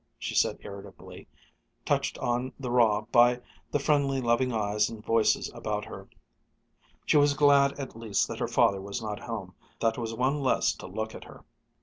she said irritably, touched on the raw by the friendly loving eyes and voices about her. She was glad at least that her father was not at home. That was one less to look at her.